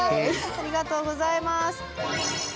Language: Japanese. ありがとうございます。